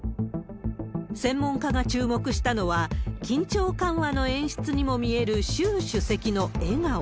専門家が注目したのは、緊張緩和の演出にも見える習主席の笑顔。